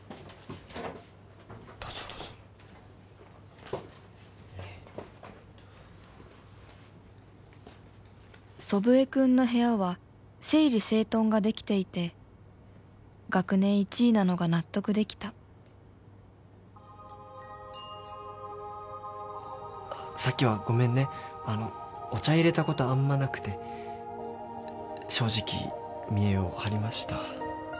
どうぞどうぞ祖父江君の部屋は整理整頓ができていて学年１位なのが納得できたさっきはごめんねあのお茶いれたことあんまなくて正直見栄を張りました